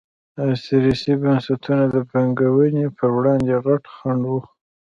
استثري بنسټونه د پانګونې پر وړاندې غټ خنډ وو.